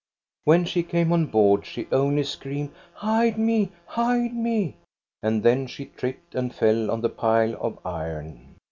When she came on board she only screamed, " Hide me, hide me !" And then she tripped and fell on the pile of iron.